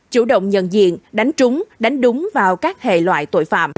chủ động nhận diện đánh trúng đánh đúng vào các hệ loại tội phạm